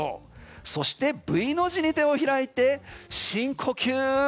そしてＶの字に手を開いて深呼吸。